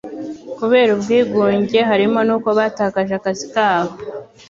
kubera ubwigunge. Harimo n'uko batakaje akazi kabo